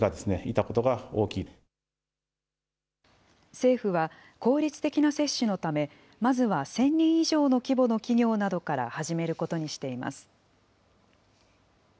政府は効率的な接種のため、まずは１０００人以上の規模の企業などから始めることにしています。